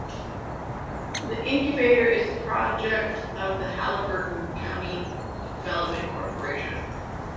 The incubator is a project of the Haliburton County Development Corporation.